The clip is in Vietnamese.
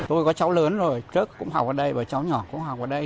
tôi có cháu lớn rồi trước cũng học ở đây và cháu nhỏ cũng học ở đây